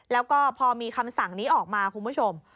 แล้วก็พอมีคำสั่งนี้ออกมาคุณผู้ชม